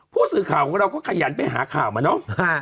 ผู้สื่อข่าวของเราก็ขยันไปหาข่าวมาเนอะ